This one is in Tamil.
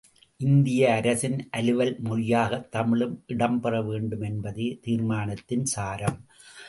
இந்திய அரசின் அலுவல் மொழியாகத் தமிழும் இடம்பெறவேண்டும் என்பதே தீர்மானத்தின் சாரம்.